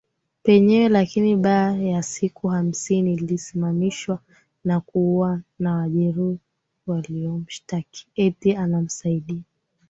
penyewe lakini baaa ya siku hamsini alisimamishwa na kuuwa na Wajerumani waliomshtaki eti anamsaidia